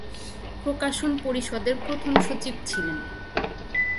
প্রকাশন পরিষদের প্রথম সচিব ছিলেন।